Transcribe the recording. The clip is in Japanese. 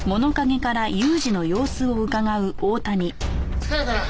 疲れたな。